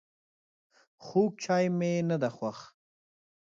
خوږ چای مي نده خوښ